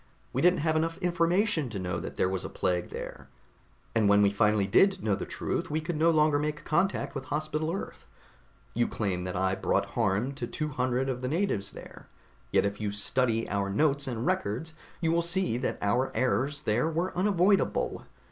We didn't have enough information to know that there was a plague there, and when we finally did know the truth we could no longer make contact with Hospital Earth. You claim that I brought harm to two hundred of the natives there, yet if you study our notes and records, you will see that our errors there were unavoidable.